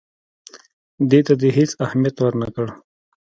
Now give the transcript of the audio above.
دې ته یې هېڅ اهمیت ورنه کړ.